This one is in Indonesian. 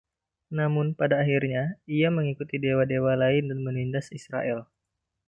Namun pada akhirnya, ia mengikuti dewa-dewa lain dan menindas Israel.